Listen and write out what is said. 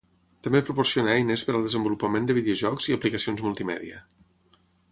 També proporciona eines per al desenvolupament de videojocs i aplicacions multimèdia.